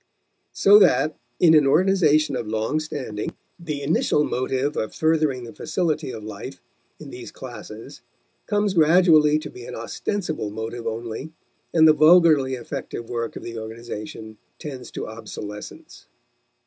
So that in an organization of long standing the initial motive of furthering the facility of life in these classes comes gradually to be an ostensible motive only, and the vulgarly effective work of the organization tends to obsolescence.